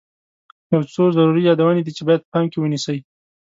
یو څو ضروري یادونې دي چې باید په پام کې ونیسئ.